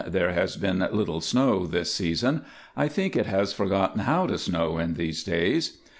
There has been little snow this season. I think it has forgotten how to snow in these days.